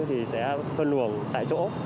thì sẽ phân luồng tại chỗ